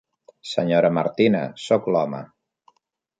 Senyora Martina, soc l'home.